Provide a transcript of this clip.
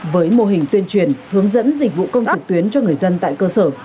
với mô hình tuyên truyền hướng dẫn dịch vụ công trực tuyến cho người dân tại cơ sở